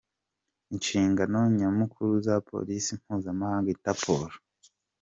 Inshingano nyamukuru za Polisi mpuzamahanga, Interpol.